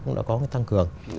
cũng đã có cái tăng cường